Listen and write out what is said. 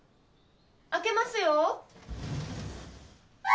開けますよ。